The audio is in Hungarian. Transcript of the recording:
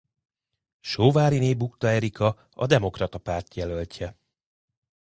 Sóváriné Bukta Erika a Demokrata Párt jelöltje.